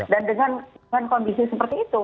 dan dengan kondisi seperti itu